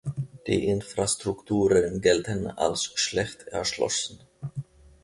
Die Infrastrukturen gelten als schlecht erschlossen.